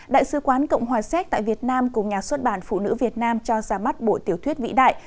đại sứ quán cộng hòa séc tại việt nam cùng nhà xuất bản phụ nữ việt nam cho ra mắt bộ tiểu thuyết vĩ đại